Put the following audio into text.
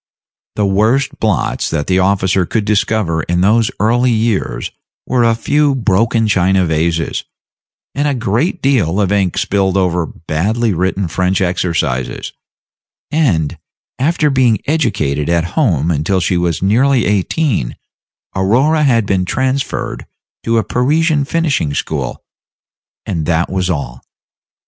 The worst blots that the officer could discover in those early years were a few broken china vases, and a great deal of ink spilled over badly written French exercises; and, after being educated at home until she was nearly eighteen, Aurora had been transferred to a Parisian finishing school and that was all.